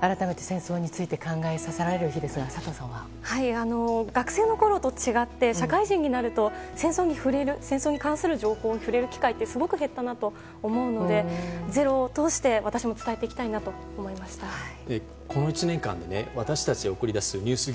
改めて戦争について考えさせられる日ですが佐藤さんは。学生のころと違って社会人になると戦争に関する情報に触れる機会ってすごく減ったなと思うので「ｚｅｒｏ」を通してこの１年間、私たちが送り出すニュース